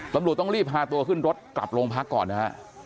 ตำรวจต้องรีบพาตัวขึ้นรถกลับโรงพักก่อนนะฮะ